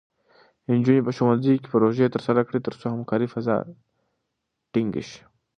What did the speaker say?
نجونې په ښوونځي کې پروژې ترسره کړي، ترڅو همکارۍ فضا ټینګې شي.